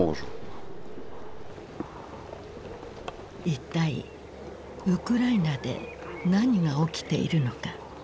一体ウクライナで何が起きているのか。